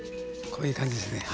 こういう感じですね。